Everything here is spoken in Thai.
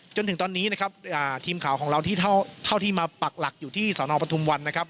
จนถึงตอนนี้นะครับทีมข่าวของเราที่เท่าที่มาปักหลักอยู่ที่สนปทุมวันนะครับ